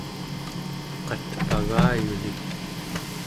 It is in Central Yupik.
qatpagayuli